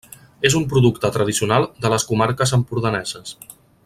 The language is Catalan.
És un producte tradicional de les comarques empordaneses.